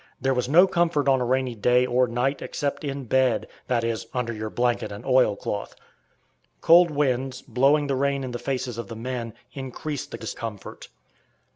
There was no comfort on a rainy day or night except in "bed," that is, under your blanket and oil cloth. Cold winds, blowing the rain in the faces of the men, increased the discomfort.